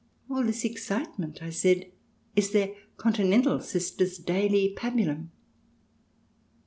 All this excitement, I said, is their Continental sisters' daily pabulum.